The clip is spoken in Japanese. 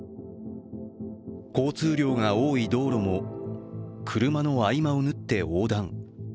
交通量が多い道路も、車の合間を縫って横断。